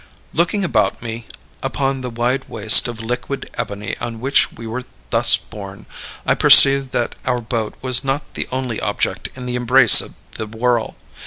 "Looking about me upon the wide waste of liquid ebony on which we were thus borne, I perceived that our boat was not the only object in the embrace of the whirl.